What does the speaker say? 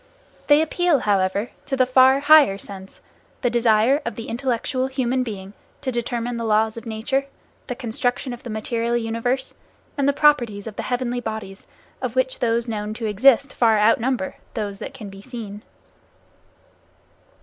They appeal, however, to the far higher sense, the desire of the intellectual human being to determine the laws of nature, the construction of the material universe, and the properties of the heavenly bodies of which those known to exist far outnumber those that can be seen.